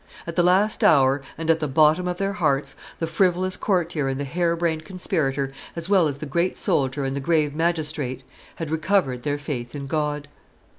At the last hour, and at the bottom of their hearts, the frivolous courtier and the hare brained conspirator, as well as the great soldier and the grave magistrate, had recovered their faith in God.